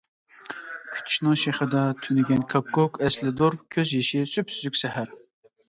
كۈتۈشنىڭ شېخىدا تۈنىگەن كاككۇك، ئەسلىدۇر كۆز يېشى سۈپسۈزۈك سەھەر.